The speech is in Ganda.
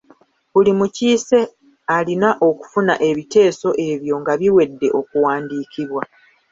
Buli mukiise alina okufuna ebiteeso ebyo nga biwedde okuwandiikibwa.